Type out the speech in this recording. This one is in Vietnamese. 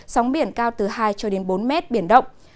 sóng biển cao từ hai cho đến bốn mét biển động